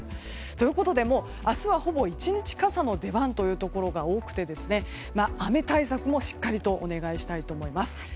ということで明日は、ほぼ１日傘の出番というところが多くて雨対策もしっかりとお願いしたいと思います。